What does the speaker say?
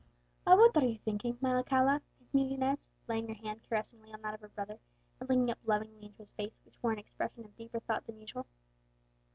"Of what are you thinking, my Alcala?" continued Inez, laying her hand caressingly on that of her brother, and looking up lovingly into his face, which wore an expression of deeper thought than usual.